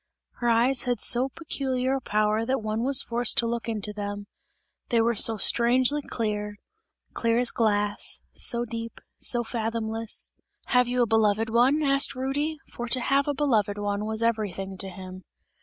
Her eyes had so peculiar a power that one was forced to look into them; they were so strangely clear clear as glass, so deep, so fathomless "Have you a beloved one?" asked Rudy; for to have a beloved one was everything to him.